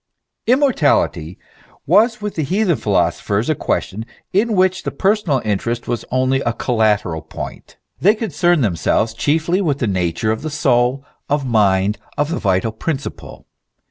Immortality was with the heathen philosophers a question in THE MYSTERY OF THE RESURRECTION. IS 5 which the personal interest was only a collateral point. They concerned themselves chiefly with the nature of the soul, of mind, of the vital principle.